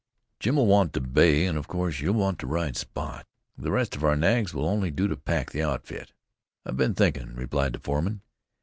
"Jim'll want the bay, and of course you'll want to ride Spot. The rest of our nags will only do to pack the outfit." "I've been thinkin'," replied the foreman.